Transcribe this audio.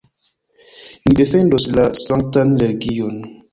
Ni defendos la sanktan religion!